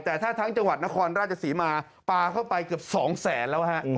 แต่ถ้าทั้งจังหวัดนครราชศรีมาปลาเข้าไปเกือบ๒แสนแล้วฮะ